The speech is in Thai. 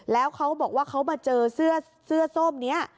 แล้วเขาบอกว่าเขามาเจอเสื้อส้มนี้